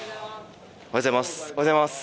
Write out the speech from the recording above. おはようございます。